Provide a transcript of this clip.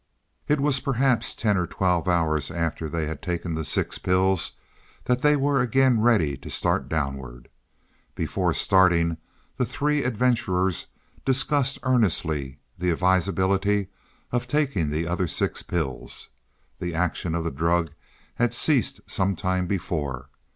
It was perhaps ten or twelve hours after they had taken the six pills that they were again ready to start downward. Before starting the three adventurers discussed earnestly the advisability of taking the other six pills. The action of the drug had ceased some time before.